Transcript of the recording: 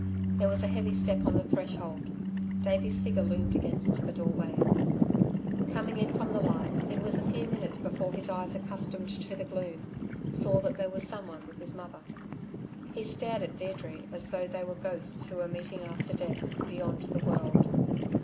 There was a heavy step on the threshold. Davey's figure loomed against the doorway. Coming in from the light, it was a few minutes before his eyes accustomed to the gloom, saw that there was someone with his mother. He stared at Deirdre as though they were ghosts who were meeting after death, beyond the world.